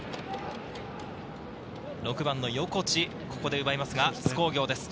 ６番・横地、ここで奪いますが、津工業です。